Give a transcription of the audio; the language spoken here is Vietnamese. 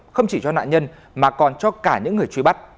không chỉ cho nạn nhân mà còn cho cả những người truy bắt